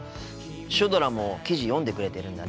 シュドラも記事読んでくれてるんだね。